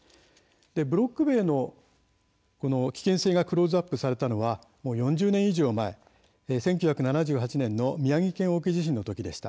ブロック塀の危険性がクローズアップされたのは４０年以上も前、１９７８年の宮城県沖地震のときでした。